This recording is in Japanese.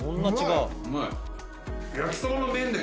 うまい！